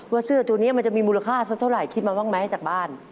เสื้อตัวนี้มันจะมีมูลค่าสักเท่าไหร่คิดมาบ้างไหมจากบ้าน